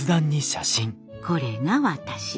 これが私。